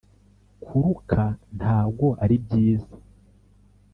kuruka ntango ari byiza